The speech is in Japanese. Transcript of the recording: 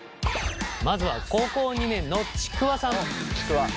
まずは高校２年のちくわさん。